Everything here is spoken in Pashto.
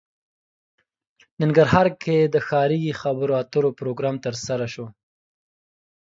ننګرهار کې د ښاري خبرو اترو پروګرام ترسره شو